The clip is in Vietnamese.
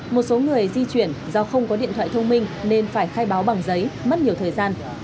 một số người di chuyển do không có điện thoại thông minh nên phải khai báo bằng giấy mất nhiều thời gian